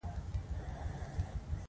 هلته باد او واوره ډیره وی او هوا سړه وي